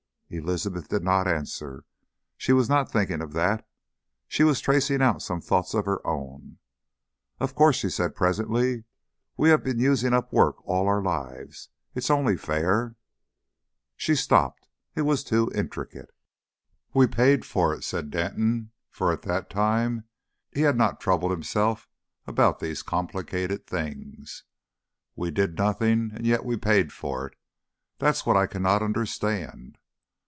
Elizabeth did not answer. She was not thinking of that. She was tracing out some thoughts of her own. "Of course," she said presently, "we have been using up work all our lives. It's only fair " She stopped. It was too intricate. "We paid for it," said Denton, for at that time he had not troubled himself about these complicated things. "We did nothing and yet we paid for it. That's what I cannot understand."